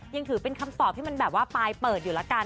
ยังถือเป็นคำตอบที่มันแบบว่าปลายเปิดอยู่แล้วกัน